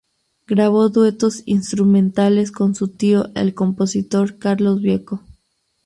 Grabó duetos instrumentales con su tío el compositor Carlos Vieco.